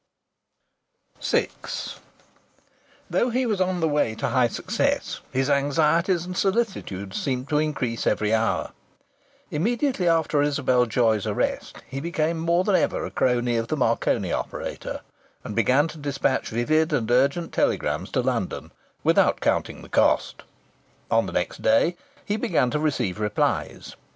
VI Though he was on the way to high success his anxieties and solicitudes seemed to increase every hour. Immediately after Isabel Joy's arrest he became more than ever a crony of the Marconi operator, and began to dispatch vivid and urgent telegrams to London, without counting the cost. On the next day he began to receive replies.